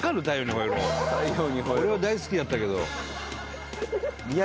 俺は大好きだったけど。